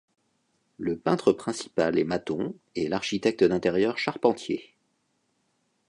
Le peintre principal est Mathon, et l'architecte d'intérieur Charpentier.